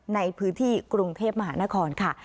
ในพื้นที่กรุงเทพมหานครค่ะ